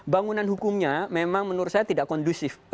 bangunan hukumnya memang menurut saya tidak kondusif